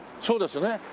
そうですね。